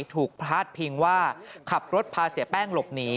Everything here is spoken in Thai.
พลาดพิงว่าขับรถพาเสียแป้งหลบหนี